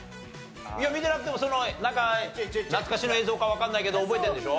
いや見てなくてもなんか懐かしの映像かわかんないけど覚えてるんでしょ？